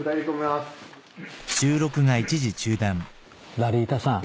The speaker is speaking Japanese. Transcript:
ラリータさん。